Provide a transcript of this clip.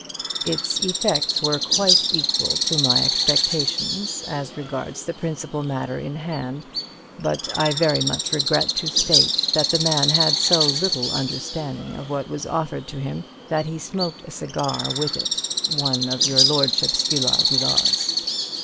Its effects were quite equal to my expectations as regards the principal matter in hand, but I very much regret to state that the man had so little understanding of what was offered to him that he smoked a cigar with it (one of your lordship's Villar Villars).